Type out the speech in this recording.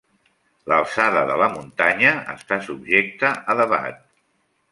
L'alçada de la muntanya està subjecta a debat.